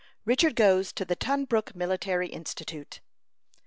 RICHARD GOES TO THE TUNBROOK MILITARY INSTITUTE.